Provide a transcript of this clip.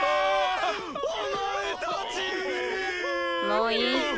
もういい？